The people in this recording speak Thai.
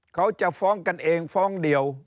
เขาจะฟ้องกันเองฟ้องเดียว